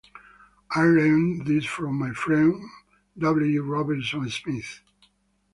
I learned this from my friend W. Robertson Smith.